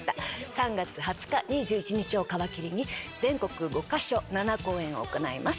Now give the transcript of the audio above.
３月２０日２１日を皮切りに全国５か所７公演を行います。